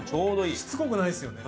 しつこくないですよね。